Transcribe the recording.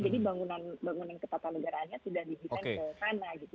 jadi bangunan bangunan kepala negaranya sudah dihidupkan ke sana gitu